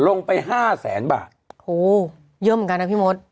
ลงไปห้าแสนบาทโหเยอะเหมือนกันนะพี่มด